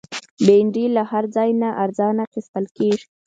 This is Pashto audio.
بېنډۍ له هر ځای نه ارزانه اخیستل کېږي